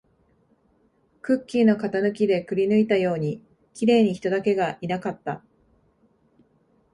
クッキーの型抜きでくりぬいたように、綺麗に人だけがいなかった